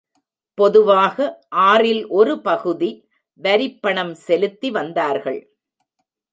பொதுவாக ஆறில் ஒரு பகுதி வரிப்பணம் செலுத்தி வந்தார்கள்.